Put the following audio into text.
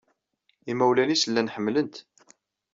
Imawlan-nnes llan ḥemmlen-t.